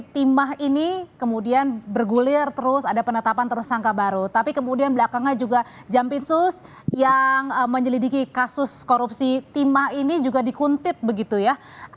timah ini kemudian bergulir terus ada penetapan tersangka baru tapi kemudian belakangan juga jampinsus yang menyelidiki kasus korupsi timah ini juga dikuntit begitu ya